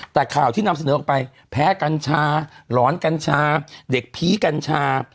แต่ข่าวที่นำเสนอออกไปแพ้กัญชาหลอนกัญชาเด็กผีกัญชา